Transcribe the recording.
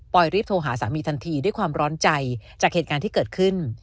รีบโทรหาสามีทันทีด้วยความร้อนใจจากเหตุการณ์ที่เกิดขึ้น